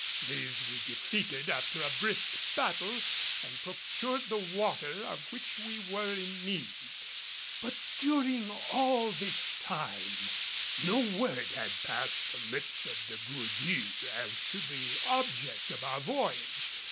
These we defeated after a brisk battle and procured the water of which we were in need. But during all this time no word had passed the lips of De Gourgues as to the object of our voyage.